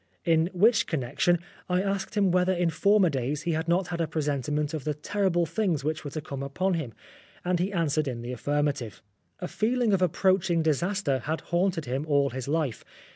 In which connection I asked him whether in former days he had not had a presentiment of the terrible things that were to come upon him, and he answered in the affirma tive. A feeling of approaching disaster had haunted him all his life.